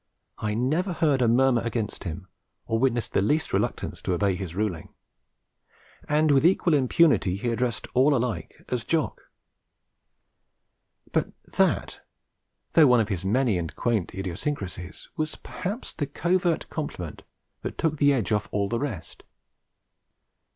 I never heard a murmur against him, or witnessed the least reluctance to obey his ruling. And with equal impunity he addressed all alike as 'Jock.' But that, though one of his many and quaint idiosyncrasies, was perhaps the covert compliment that took the edge off all the rest.